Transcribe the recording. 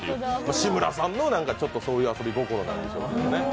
志村さんのそういう遊び心なんでしょうけどね。